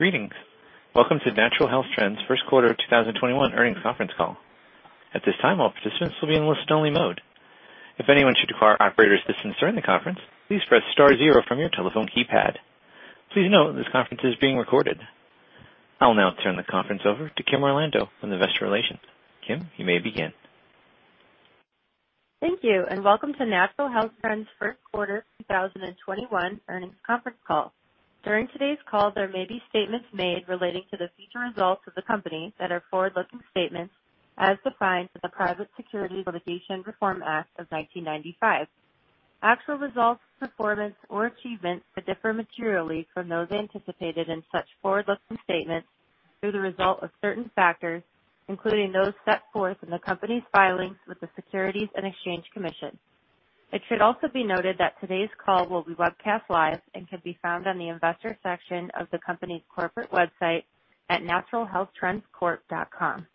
Greetings. Welcome to Natural Health Trends' first quarter 2021 earnings conference call. At this time, all participants will be in listen-only mode. If anyone should require operator assistance during the conference, please press star zero from your telephone keypad. Please note, this conference is being recorded. I'll now turn the conference over to Kim Orlando from Investor Relations. Kim, you may begin. Thank you, and welcome to Natural Health Trends' first quarter 2021 earnings conference call. During today's call, there may be statements made relating to the future results of the company that are forward-looking statements as defined by the Private Securities Litigation Reform Act of 1995. Actual results, performance, or achievements may differ materially from those anticipated in such forward-looking statements or the result of certain factors, including those set forth in the company's filings with the Securities and Exchange Commission. It should also be noted that today's call will be webcast live and can be found on the investor section of the company's corporate website at naturalhealthtrendscorp.com.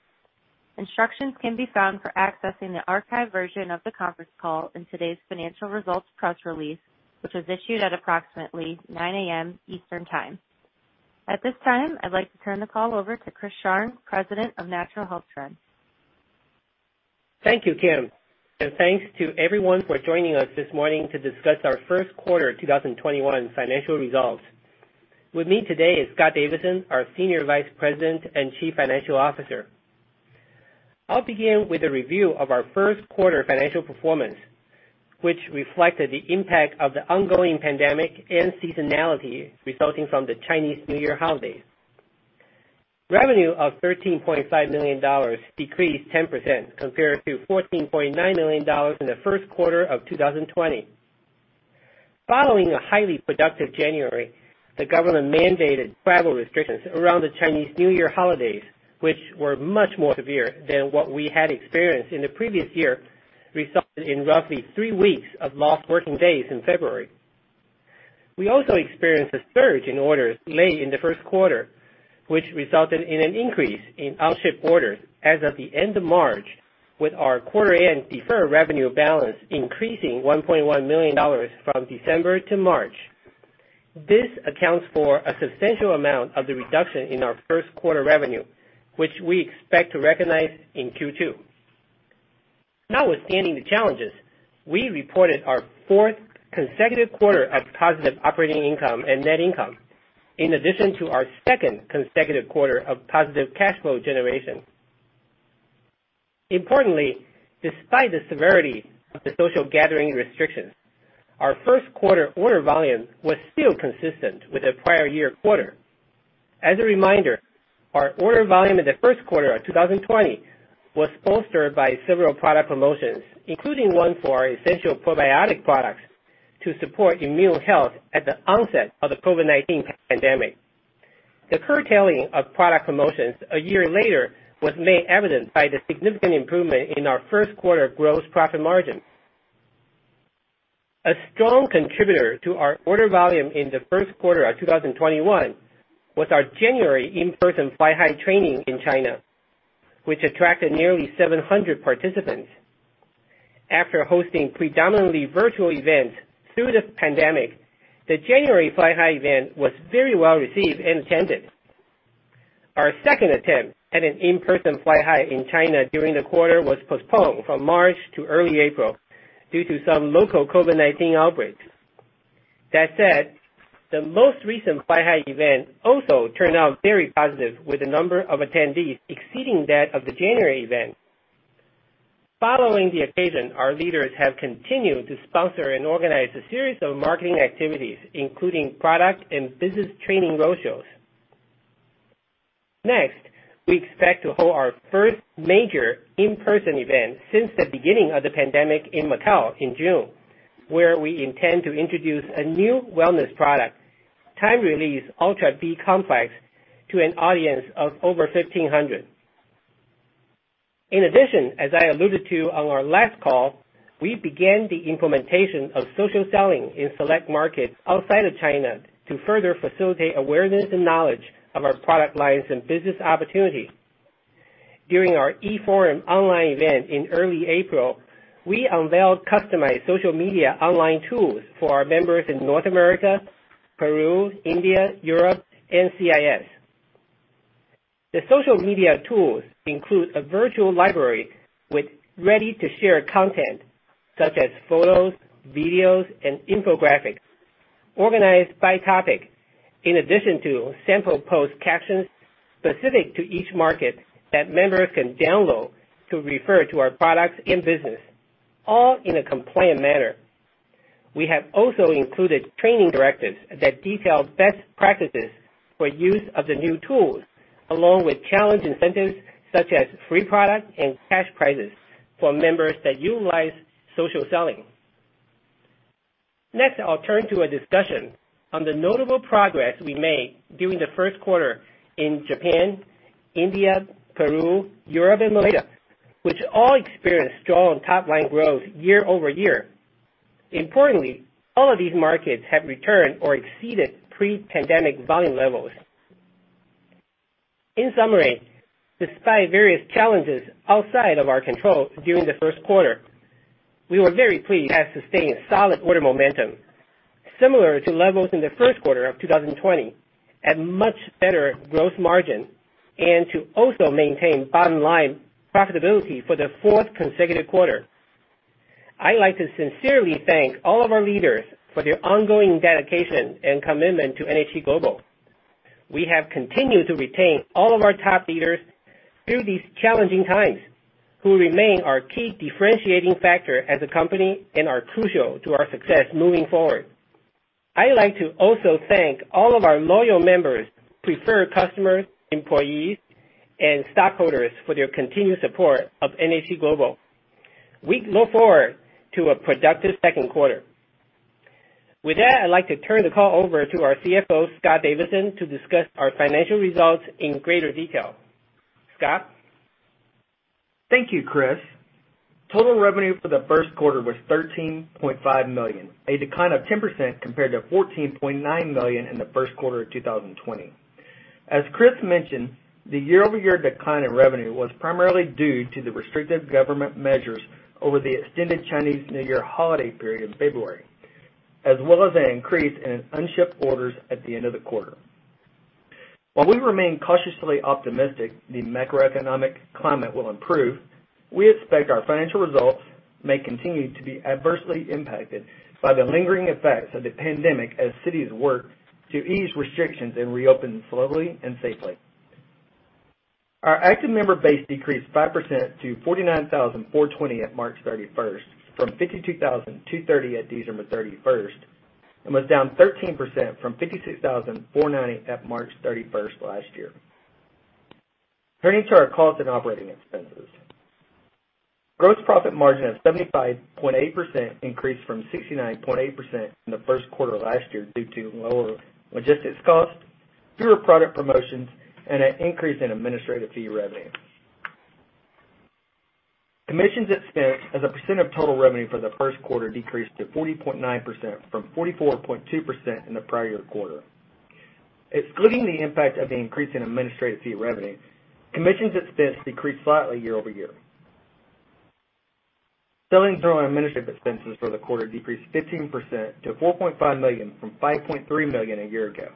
Instructions can be found for accessing the archived version of the conference call in today's financial results press release, which was issued at approximately 9:00 A.M. Eastern Time. At this time, I'd like to turn the call over to Chris Sharng, President of Natural Health Trends. Thank you, Kim, and thanks to everyone for joining us this morning to discuss our first quarter 2021 financial results. With me today is Scott Davidson, our Senior Vice President and Chief Financial Officer. I'll begin with a review of our first quarter financial performance, which reflected the impact of the ongoing pandemic and seasonality resulting from the Chinese New Year holidays. Revenue of $13.5 million decreased 10% compared to $14.9 million in the first quarter of 2020. Following a highly productive January, the government mandated travel restrictions around the Chinese New Year holidays, which were much more severe than what we had experienced in the previous year, resulting in roughly three weeks of lost working days in February. We also experienced a surge in orders late in the first quarter, which resulted in an increase in unshipped orders as of the end of March, with our quarter-end deferred revenue balance increasing $1.1 million from December to March. This accounts for a substantial amount of the reduction in our first quarter revenue, which we expect to recognize in Q2. Notwithstanding the challenges, we reported our fourth consecutive quarter of positive operating income and net income, in addition to our second consecutive quarter of positive cash flow generation. Importantly, despite the severity of the social gathering restrictions, our first quarter order volume was still consistent with the prior year quarter. As a reminder, our order volume in the first quarter of 2020 was bolstered by several product promotions, including one for our essential probiotic products to support immune health at the onset of the COVID-19 pandemic. The curtailing of product promotions a year later was made evident by the significant improvement in our first quarter gross profit margin. A strong contributor to our order volume in the first quarter of 2021 was our January in-person Fly High training in China, which attracted nearly 700 participants. After hosting predominantly virtual events through the pandemic, the January Fly High event was very well-received and attended. Our second attempt at an in-person Fly High in China during the quarter was postponed from March to early April due to some local COVID-19 outbreaks. That said, the most recent Fly High event also turned out very positive, with the number of attendees exceeding that of the January event. Following the occasion, our leaders have continued to sponsor and organize a series of marketing activities, including product and business training roadshows. Next, we expect to hold our first major in-person event since the beginning of the pandemic in Macau in June, where we intend to introduce a new wellness product, Time Release Ultra B Complex, to an audience of over 1,500 participants. In addition, as I alluded to on our last call, we began the implementation of social selling in select markets outside of China to further facilitate awareness and knowledge of our product lines and business opportunities. During our e-forum online event in early April, we unveiled customized social media online tools for our members in North America, Peru, India, Europe, and CIS. The social media tools include a virtual library with ready-to-share content, such as photos, videos, and infographics, organized by topic, in addition to sample post captions specific to each market that members can download to refer to our products and business, all in a compliant manner. We have also included training directives that detail best practices for use of the new tools, along with challenge incentives such as free product and cash prizes for members that utilize social selling. I'll turn to a discussion on the notable progress we made during the first quarter in Japan, India, Peru, Europe, and Malaysia, which all experienced strong top-line growth year-over-year. Importantly, all of these markets have returned or exceeded pre-pandemic volume levels. In summary, despite various challenges outside of our control during the first quarter, we were very pleased to have sustained solid order momentum, similar to levels in the first quarter of 2020, at much better gross margin, and to also maintain bottom-line profitability for the fourth consecutive quarter. I'd like to sincerely thank all of our leaders for their ongoing dedication and commitment to NHT Global. We have continued to retain all of our top leaders through these challenging times, who remain our key differentiating factor as a company and are crucial to our success moving forward. I'd like to also thank all of our loyal members, preferred customers, employees, and stockholders for their continued support of NHT Global. We look forward to a productive second quarter. With that, I'd like to turn the call over to our CFO, Scott Davidson, to discuss our financial results in greater detail. Scott? Thank you, Chris. Total revenue for the first quarter was $13.5 million, a decline of 10% compared to $14.9 million in the first quarter of 2020. As Chris mentioned, the year-over-year decline in revenue was primarily due to the restrictive government measures over the extended Chinese New Year holiday period in February, as well as an increase in unshipped orders at the end of the quarter. While we remain cautiously optimistic the macroeconomic climate will improve, we expect our financial results may continue to be adversely impacted by the lingering effects of the pandemic as cities work to ease restrictions and reopen slowly and safely. Our active member base decreased 5% to 49,420 members at March 31st, from 52,230 members at December 31st, and was down 13% from 56,490 members at March 31st last year. Turning to our costs and operating expenses. Gross profit margin of 75.8% increased from 69.8% in the first quarter last year due to lower logistics cost, fewer product promotions, and an increase in administrative fee revenue. Commissions expense as a percent of total revenue for the first quarter decreased to 40.9% from 44.2% in the prior quarter. Excluding the impact of the increase in administrative fee revenue, commissions expense decreased slightly year-over-year. Selling, general, and administrative expenses for the quarter decreased 15% to $4.5 million from $5.3 million a year ago.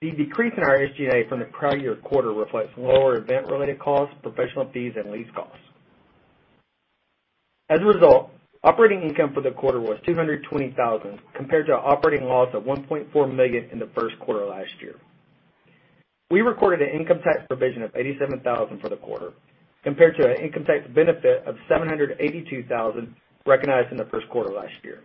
The decrease in our SG&A from the prior year quarter reflects lower event-related costs, professional fees, and lease costs. As a result, operating income for the quarter was $220,000, compared to operating loss of $1.4 million in the first quarter last year. We recorded an income tax provision of $87,000 for the quarter, compared to an income tax benefit of $782,000 recognized in the first quarter last year.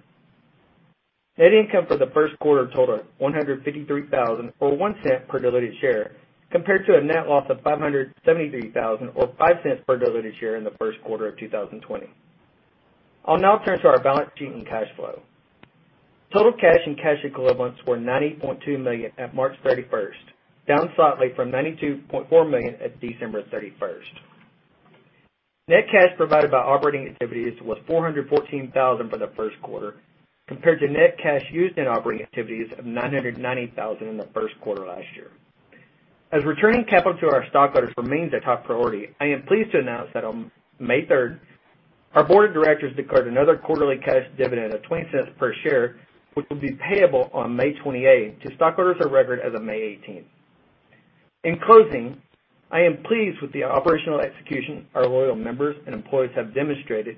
Net income for the first quarter totaled $153,000 or $0.01 per diluted share, compared to a net loss of $573,000 or $0.05 per diluted share in the first quarter of 2020. I'll now turn to our balance sheet and cash flow. Total cash and cash equivalents were $90.2 million at March 31st, down slightly from $92.4 million at December 31st. Net cash provided by operating activities was $414,000 for the first quarter, compared to net cash used in operating activities of $990,000 in the first quarter last year. As returning capital to our stockholders remains a top priority, I am pleased to announce that on May 3rd, our board of directors declared another quarterly cash dividend of $0.20 per share, which will be payable on May 28th to stockholders of record as of May 18th. In closing, I am pleased with the operational execution our loyal members and employees have demonstrated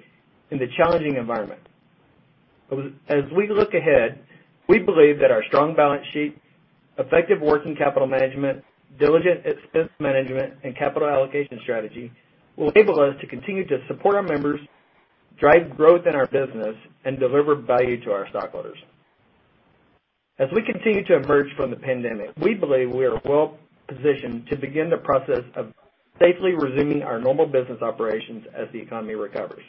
in the challenging environment. As we look ahead, we believe that our strong balance sheet, effective working capital management, diligent expense management, and capital allocation strategy will enable us to continue to support our members, drive growth in our business, and deliver value to our stockholders. As we continue to emerge from the pandemic, we believe we are well-positioned to begin the process of safely resuming our normal business operations as the economy recovers.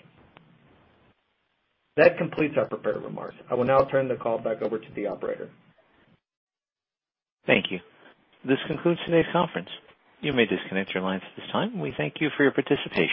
That completes our prepared remarks. I will now turn the call back over to the operator. Thank you. This concludes today's conference. You may disconnect your lines at this time. We thank you for your participation.